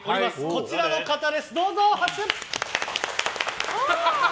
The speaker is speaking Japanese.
こちらの方です。